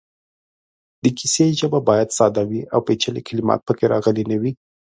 د کیسې ژبه باید ساده وي او پېچلې کلمات پکې راغلې نه وي.